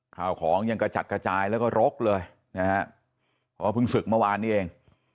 ข่าวของยังกระจัดกระจายแล้วก็รกเลยนะฮะเพราะว่าเพิ่งศึกเมื่อวานนี้เอง